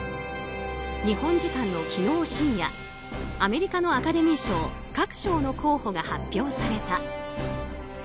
日本時間の昨日深夜アメリカのアカデミー賞各賞の候補が発表された。